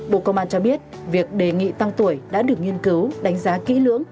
bộ công an cho biết việc đề nghị tăng tuổi đã được nghiên cứu đánh giá kỹ lưỡng